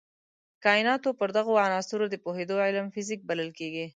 د کایناتو پر دغو عناصرو د پوهېدو علم فزیک بلل کېږي.